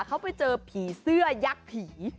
เขาไปเจอผีเสื้อยักษ์ผี